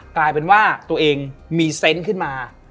กลายเป็นว่าตัวเองมีเซนต์ขึ้นมา